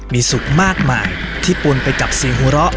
มีสุขมากมายที่ปนไปกับเสียงหัวเราะ